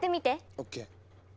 ＯＫ。